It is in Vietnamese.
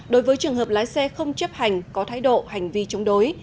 đối với trường hợp lái xe không chấp hành có thái độ hành vi chống đối